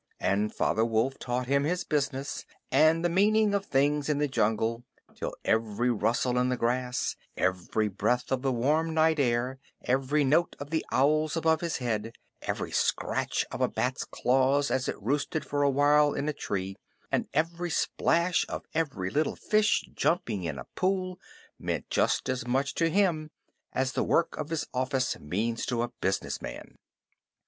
And Father Wolf taught him his business, and the meaning of things in the jungle, till every rustle in the grass, every breath of the warm night air, every note of the owls above his head, every scratch of a bat's claws as it roosted for a while in a tree, and every splash of every little fish jumping in a pool meant just as much to him as the work of his office means to a business man.